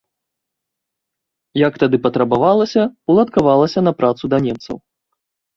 Як тады патрабавалася, уладкавалася на працу да немцаў.